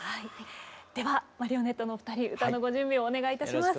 ではマリオネットのお二人歌のご準備をお願いいたします。